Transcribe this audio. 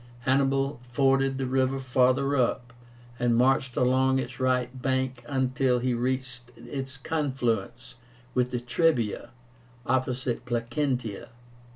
Hannibal forded the river farther up, and marched along its right bank until he reached its confluence with the Trebia, opposite Placentia.